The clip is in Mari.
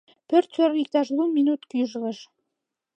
Пӧрт кӧргӧ иктаж лу минут гӱжлыш.